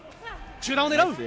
中段を狙う。